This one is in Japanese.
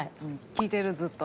聞いてるずっと。